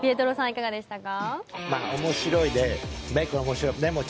いかがでしたか？